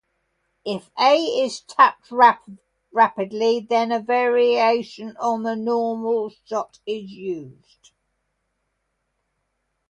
If A is tapped rapidly, then a variation on the normal shot is used.